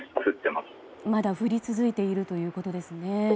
まだ降り続いているということですね。